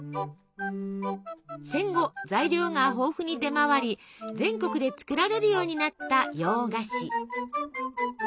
戦後材料が豊富に出回り全国で作られるようになった洋菓子。